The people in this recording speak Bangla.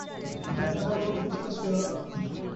ইহাতে তাঁহার মন সুস্থ ছিল না।